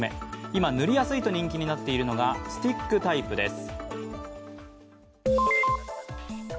今、塗りやすいと人気になっているのがスティックタイプです。